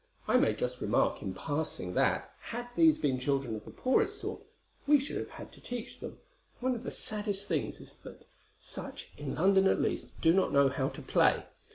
I may just remark, in passing, that, had these been children of the poorest sort, we should have had to teach them; for one of the saddest things is that such, in London at least, do not know how to play.